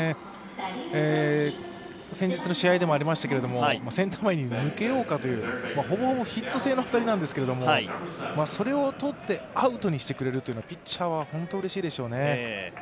先日の試合でもありましたけどセンター前に抜けようかというほぼほぼヒット性の当たりなんですけれども、それをとって、アウトにしてくれるとピッチャーは本当にうれしいでしょうね。